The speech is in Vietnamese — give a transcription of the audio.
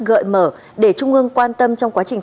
gợi mở để trung ương quan tâm trong quá trình